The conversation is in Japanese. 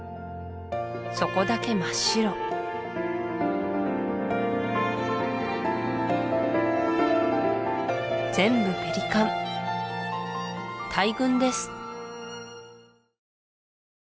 そこだけ真っ白全部ペリカン大群です